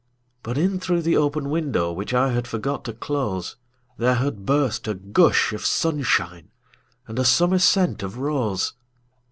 But in through the open window, Which I had forgot to close, There had burst a gush of sunshineAnd a summer scent of rose.